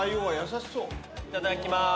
いただきます。